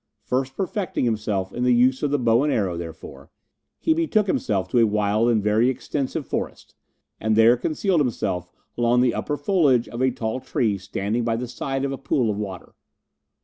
First perfecting himself in the use of the bow and arrow, therefore, he betook himself to a wild and very extensive forest, and there concealed himself among the upper foliage of a tall tree standing by the side of a pool of water.